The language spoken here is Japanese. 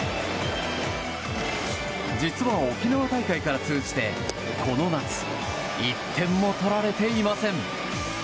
実は沖縄大会から通じて、この夏１点も取られていません。